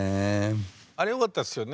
あれよかったですよね。